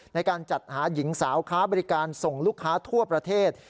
ในการจัดหาหญิงสาวค้าบริการส่งลูกค้าทั่วประเทศ